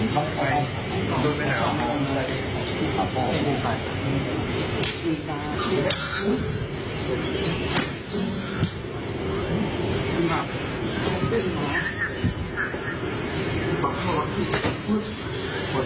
อยู่ในวิกฤติฮาโนมัติวัน๙นป๑๙๖๔